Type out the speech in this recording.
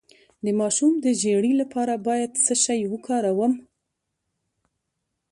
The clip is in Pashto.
د ماشوم د ژیړي لپاره باید څه شی وکاروم؟